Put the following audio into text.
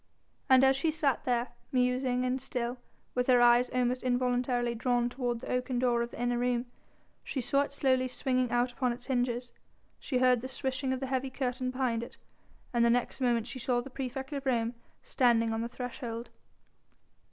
And as she sat there, musing and still, with her eyes almost involuntarily drawn toward the oaken door of the inner room, she saw it slowly swinging out upon its hinges, she heard the swishing of the heavy curtain behind it, and the next moment she saw the praefect of Rome standing on the threshold.